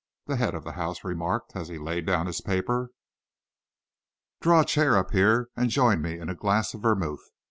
the head of the house remarked, as he laid down his paper. "Draw a chair up here and join me in a glass of vermouth.